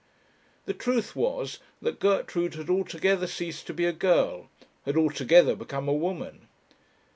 The truth was that Gertrude had altogether ceased to be a girl, had altogether become a woman.